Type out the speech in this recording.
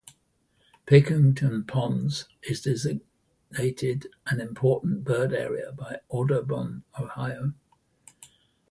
Pickerington Ponds is designated an Important Bird Area by Audubon Ohio.